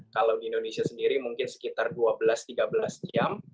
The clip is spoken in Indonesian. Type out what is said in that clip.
kalau di indonesia sendiri mungkin sekitar dua belas tiga belas jam